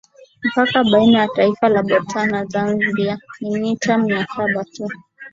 Mpaka baina ya taifa la Botswana na Zambia ni meta mia saba tu